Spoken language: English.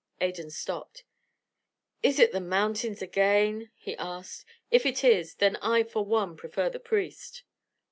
Adan stopped. "Is it the mountains again?" he asked. "If it is, then I, for one, prefer the priest."